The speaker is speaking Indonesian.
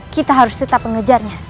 kita harus tetap mengejarnya